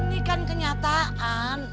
ini kan kenyataan